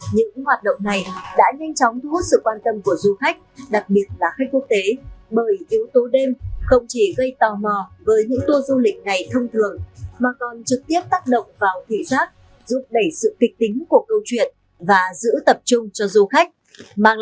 những hoạt động này đã nhanh chóng thu hút sự quan tâm